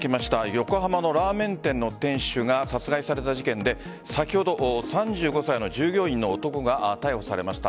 横浜のラーメン店店主が殺害された事件で先ほど、３５歳の従業員の男が逮捕されました。